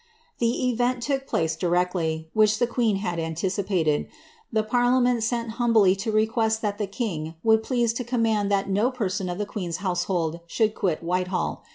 The event took place directly, which the queen had anticipated : the parliament sent humbly to request tliat the king would please to com iDand that no person of the queen's household should quit Whitehall.